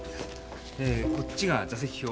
こっちが座席表。